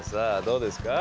どうですか。